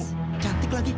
wah jamu cantik lagi